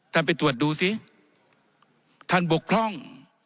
ไปตรวจดูสิท่านบกพร่อง